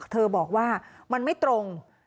เธอบอกว่ามันไม่ตรง